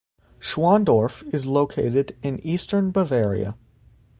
Schwandorf is located in eastern Bavaria.